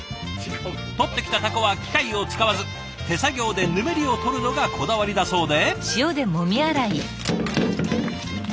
捕ってきたタコは機械を使わず手作業でぬめりを取るのがこだわりだそうで。